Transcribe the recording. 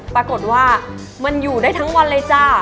ปรากฏว่ามันอยู่ได้ทั้งวันเลยจ้า